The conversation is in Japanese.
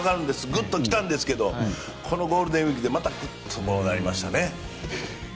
グッと来たんですがこのゴールデンウィークでまたグッとなりましたね。